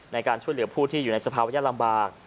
ในการช่วยเหลือผู้ที่อยู่ในสภาวะลำบาก